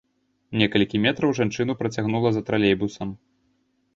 Некалькі метраў жанчыну працягнула за тралейбусам.